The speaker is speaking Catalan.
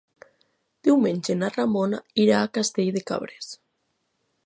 Diumenge na Ramona irà a Castell de Cabres.